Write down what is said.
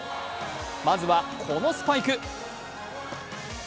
まずはこのスパイク。